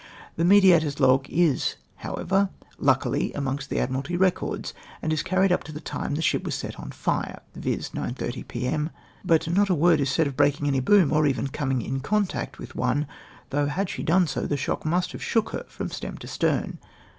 The Mediatofs log is, however, luckily amongst the Admiralty records, and is carried up to the time the ship was set on fire, viz. 9*30 p. m., but not a word is said of breaking any boom, or even coming in contact with one, thouoli had she done so the shock must have shook her from stem to stern.